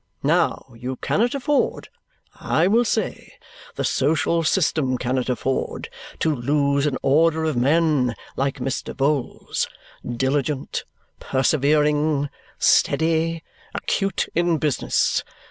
Now you cannot afford I will say, the social system cannot afford to lose an order of men like Mr. Vholes. Diligent, persevering, steady, acute in business.